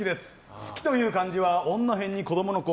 好きという漢字は女へんに子供の子。